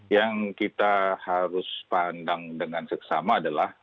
yang kita harus pandang dengan seksama adalah